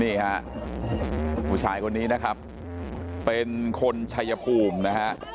นี่ฮะผู้ชายคนนี้นะครับเป็นคนชัยภูมินะฮะ